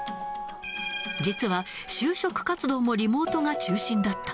実は就職活動もリモートが中心だった。